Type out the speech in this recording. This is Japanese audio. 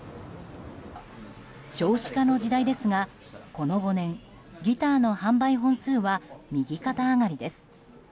少子化の時代ですがこの５年、ギターの販売本数は右肩上がりです。